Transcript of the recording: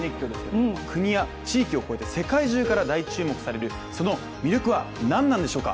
国や地域を超えて世界中から大注目されるその魅力は何なんでしょうか。